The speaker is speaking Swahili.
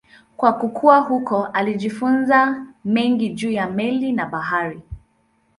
Kwa kukua huko alijifunza mengi juu ya meli na bahari.